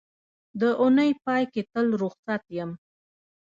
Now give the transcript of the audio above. د اونۍ پای کې تل روخصت یم